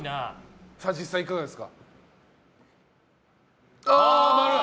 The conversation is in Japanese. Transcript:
実際いかがですか？